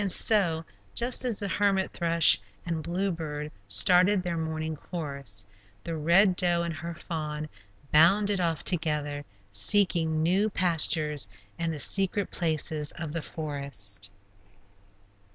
And so, just as the hermit thrush and bluebird started their morning chorus, the Red Doe and her fawn bounded off together, seeking new pastures in the secret places of the forest.